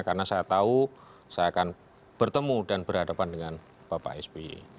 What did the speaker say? karena saya tahu saya akan bertemu dan berhadapan dengan bapak sby